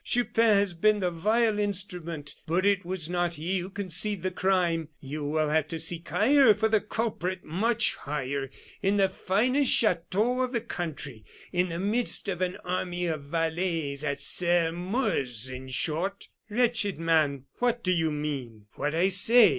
Chupin has been the vile instrument; but it was not he who conceived the crime. You will have to seek higher for the culprit, much higher, in the finest chateau of the country, in the midst of an army of valets at Sairmeuse, in short!" "Wretched man, what do you mean?" "What I say."